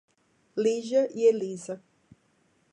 Lígia e Elisa